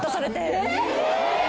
え！